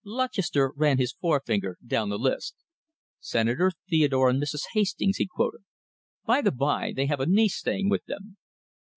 Lutchester ran his forefinger down the list. "Senator Theodore and Mrs. Hastings," he quoted. "By the bye, they have a niece staying with them."